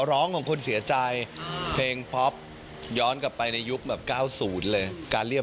เป็นนางเอกครั้งแรกของเนยเลย